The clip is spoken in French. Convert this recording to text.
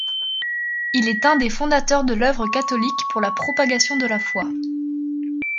Il est un des fondateurs de l'Œuvre catholique pour la propagation de la foi.